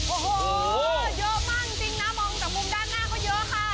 โอ้โหเยอะมากจริงนะมองจากมุมด้านหน้าก็เยอะค่ะ